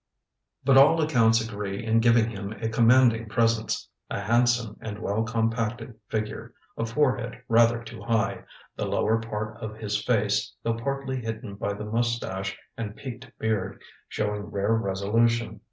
"But all accounts agree in giving him a commanding presence, a handsome and well compacted figure, a forehead rather too high; the lower part of his face, though partly hidden by the moustache and peaked beard, showing rare resolution.